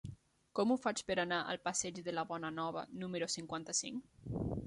Com ho faig per anar al passeig de la Bonanova número cinquanta-cinc?